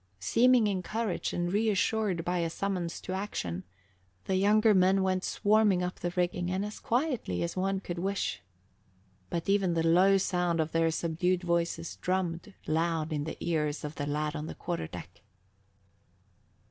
Seeming encouraged and reassured by a summons to action, the younger men went swarming up the rigging, and as quietly as one could wish; but even the low sound of their subdued voices drummed loud in the ears of the lad on the quarter deck.